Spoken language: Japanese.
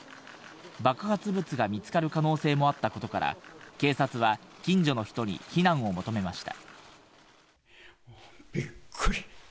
爆発物が見つかる可能性もあったことから、警察は近所の人に避難を求めました。